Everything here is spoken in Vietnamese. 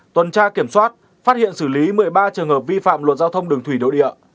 tuần tra kiểm soát phát hiện xử lý một mươi ba trường hợp vi phạm luật giao thông đường thủy đối địa